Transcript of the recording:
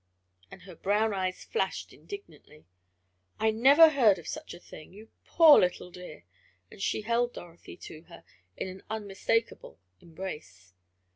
and her brown eyes flashed indignantly. "I never heard of such a thing! You poor little dear!" and she held Dorothy to her in an unmistakable embrace.